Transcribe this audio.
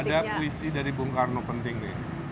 ada puisi dari bung karno penting nih